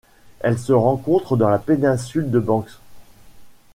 Elle se rencontre dans la péninsule de Banks.